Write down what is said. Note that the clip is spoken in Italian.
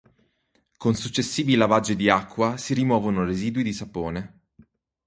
Con successivi lavaggi di acqua si rimuovono residui di sapone.